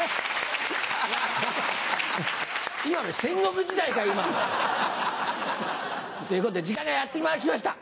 戦国時代か今は。ということで時間がやって来ました。